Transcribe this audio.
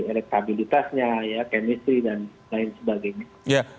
elektabilitasnya ya kemistri dan lain sebagainya